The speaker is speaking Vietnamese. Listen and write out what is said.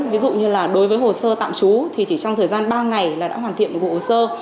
ví dụ như là đối với hồ sơ tạm trú thì chỉ trong thời gian ba ngày là đã hoàn thiện bộ hồ sơ